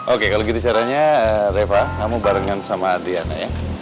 oke kalau gitu caranya reva kamu barengan sama adiana ya